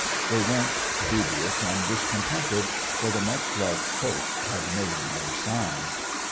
They went, dubious and discontented—for the much loved Cope had made no sign.